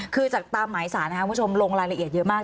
คือจากตามหมายสารนะครับคุณผู้ชมลงรายละเอียดเยอะมาก